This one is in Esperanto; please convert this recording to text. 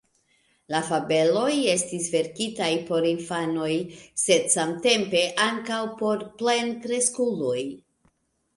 La fabeloj estis verkitaj por infanoj, sed samtempe ankaŭ por plenkreskuloj.